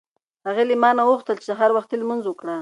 هغې له ما نه وغوښتل چې سهار وختي لمونځ وکړه.